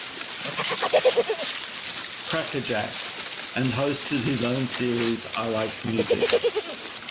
"Crackerjack", and hosted his own series "I Like Music".